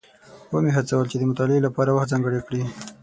ومې هڅول چې د مطالعې لپاره وخت ځانګړی کړي.